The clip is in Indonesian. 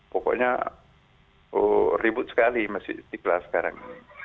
pokoknya ribut sekali masjid istiqlal sekarang